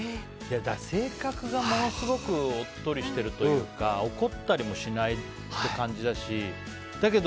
性格がものすごくおっとりしてるというか怒ったりもしないって感じだし。